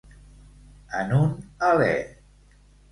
En un alè.